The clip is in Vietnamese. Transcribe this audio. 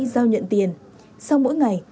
giao nhận tiền sau mỗi ngày